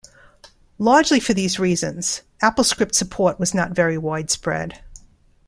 Largely for these reasons, AppleScript support was not very widespread.